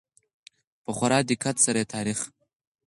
په خورا دقت سره يې تاريخ